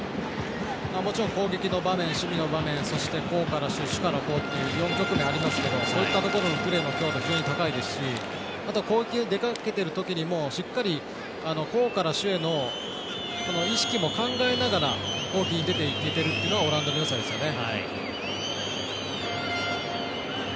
もちろん攻撃の場面守備の場面そして攻から守、守から攻という局面ありますけどそういったところの強度が非常に高いですし攻撃が出かけてるときに攻から守への意識も考えながら出ていけているというのがオランダのよさですよね。